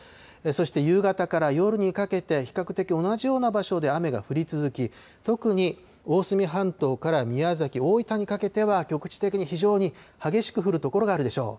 そして夕方から夜にかけて、比較的同じような場所で雨が降り続き、特におおすみ半島から宮崎、大分にかけては局地的に非常に激しく降る所があるでしょう。